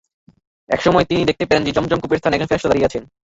এমন সময় তিনি দেখতে পেলেন যে, যমযম কূপের স্থানে একজন ফেরেশতা দাঁড়িয়ে আছেন।